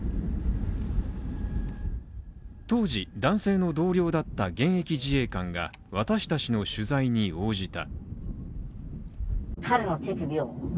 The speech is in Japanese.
当時男性の同僚だった現役自衛官が、私たちの取材に応じた。